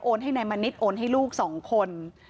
โอนให้นายมณิษฐ์โอนให้ลูกสองคน